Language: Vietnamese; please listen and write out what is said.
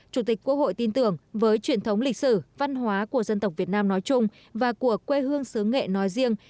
chủ tịch quốc hội tin tưởng với truyền thống lịch sử văn hóa của dân tộc việt nam nói chung và của quê hương xứ nghệ nói riêng